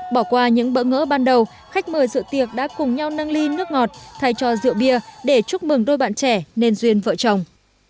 bỏ qua những bỡ ngỡ ban đầu khách mời dự tiệc đã cùng nhau nâng ly nước ngọt thay cho rượu bia để chúc mừng đôi bạn trẻ nên duyên vợ chồng